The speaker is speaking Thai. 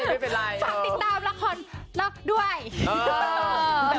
กับเพลงที่มีชื่อว่ากี่รอบก็ได้